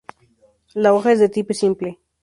La hoja es de tipo simple.